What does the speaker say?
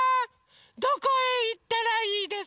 どこへいったらいいですか？